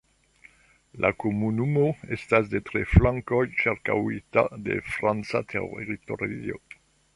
La komunumo estas de tri flankoj ĉirkaŭita de franca teritorio.